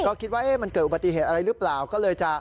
ก็คิดว่ามันเกิดอุบัติเหตุอะไรหรือเปล่าก็เลยจะ